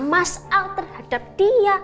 mas al terhadap dia